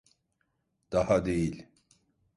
Daha değil.